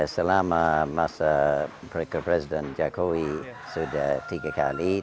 selama masa peker presiden jokowi sudah tiga kali terpidana